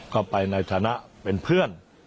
ก็ไปในฐานะเป็นเพื่อน